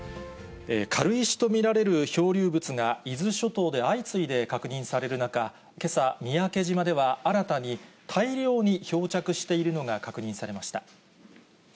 軽石と見られる漂流物が伊豆諸島で相次いで確認される中、けさ、三宅島では新たに大量に漂着しているのが確認されました。